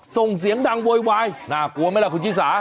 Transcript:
ส่งเสียงดังโวยวายน่ากลัวไหมล่ะคุณชิสา